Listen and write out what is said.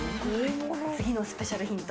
次のスペシャルヒント。